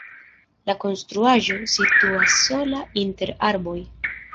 La konstruaĵo situas sola inter arboj.